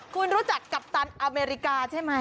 คุณรู้จักกัปตันอเมริกาใช่ไหม